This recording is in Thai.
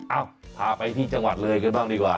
พาไปที่จังหวัดเลยกันบ้างดีกว่า